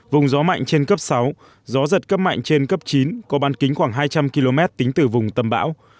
vùng gió mạnh trên cấp sáu gió giật cấp mạnh trên cấp chín có ban kính khoảng hai trăm linh km tính từ vùng tâm bão